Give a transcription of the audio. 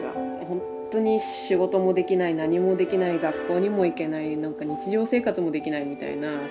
ほんっとに仕事もできない何もできない学校にも行けない日常生活もできないみたいな。